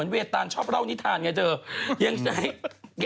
แล้วได้จัวแม่นกลับมาไหมละ